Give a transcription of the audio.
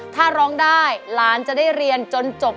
ถ้าร้องได้หลานจะได้เรียนจนจบ